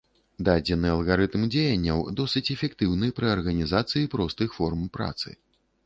Дадзены алгарытм дзеянняў досыць эфектыўны пры арганізацыі простых форм працы.